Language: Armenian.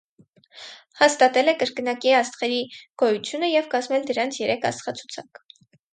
Հաստատել Է կրկնակի աստղերի գոյությունը և կազմել դրանց երեք աստղացուցակ։